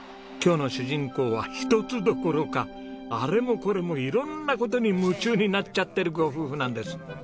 今日の主人公は一つどころかあれもこれも色んな事に夢中になっちゃってるご夫婦なんです。